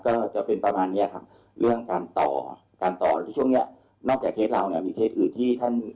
เคสนี้ของท่านผลัดไงจะไม่ค่อยใหญ่ค่ะ